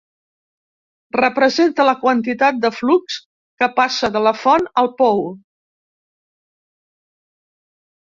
Representa la quantitat de flux que passa de la font al pou.